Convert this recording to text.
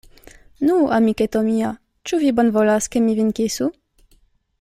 Nu, amiketo mia, ĉu vi bonvolas, ke mi vin kisu?